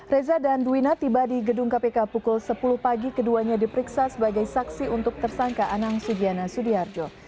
reza dan duwina tiba di gedung kpk pukul sepuluh pagi keduanya diperiksa sebagai saksi untuk tersangka anang sugiana sudiharjo